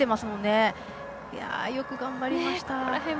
よく頑張りました。